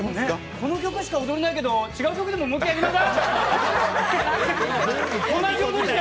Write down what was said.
この曲しか踊れないけど、違う曲でもう一回やりませんか。